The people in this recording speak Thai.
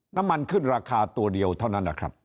น้ำมันขึ้นราคาตัวเดียวเท่านั้นนะครับ